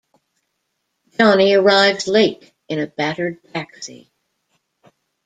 Johnny arrives late in a battered taxi.